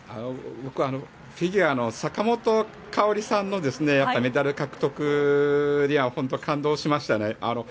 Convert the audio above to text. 僕、フィギュアの坂本花織さんのメダル獲得には本当に感動しましたね。